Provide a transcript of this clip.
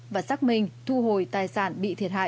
và xác minh thu hồi tài sản bị thiệt hại